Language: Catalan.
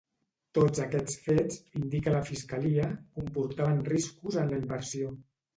Tots aquests fets, indica la fiscalia, comportaven riscos en la inversió.